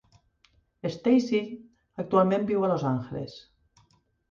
Stasey actualment viu a Los Angeles.